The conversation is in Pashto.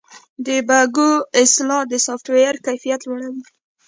د بګونو اصلاح د سافټویر کیفیت لوړوي.